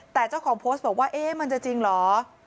แต่เจ้าของโพสต์บอกว่าเอ๊ะมันจะจริงเหรอ